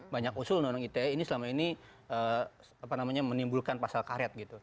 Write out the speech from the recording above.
banyak usul undang undang ite ini selama ini menimbulkan pasal karet gitu